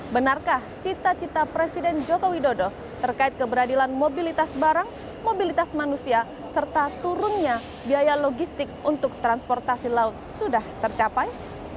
benarkah cita cita presiden joko widodo terkait keberadilan mobilitas barang mobilitas manusia serta turunnya biaya logistik untuk transportasi laut sudah tercapai